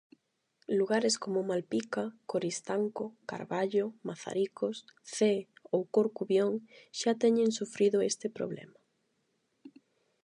Lugares como Malpica, Coristanco, Carballo, Mazaricos, Cee ou Corcubión xa teñen sufrido este problema.